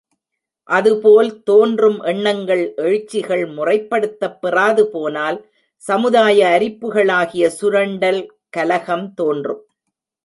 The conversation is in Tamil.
அதுபோல், தோன்றும் எண்ணங்கள் எழுச்சிகள் முறைப்படுத்தப் பெறாது போனால் சமுதாய அரிப்புகளாகிய சுரண்டல், கலகம் தோன்றும்.